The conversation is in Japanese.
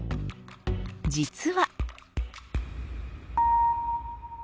実は。